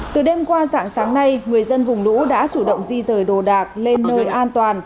từ đêm qua dạng sáng nay người dân vùng lũ đã chủ động di rời đồ đạc lên nơi an toàn